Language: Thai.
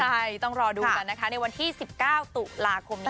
ใช่ต้องรอดูกันนะคะในวันที่๑๙ตุลาคมนี้